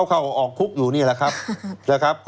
เข้าออกคุกอยู่นี่แหละครับนะครับ